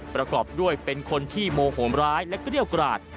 ประกอบด้วยเป็นคนที่โมโหมร้ายและเกรี้ยวกราด